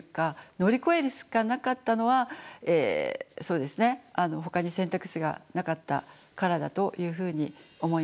乗り越えるしかなかったのはそうですねほかに選択肢がなかったからだというふうに思います。